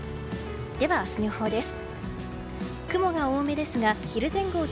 では、明日の予報です。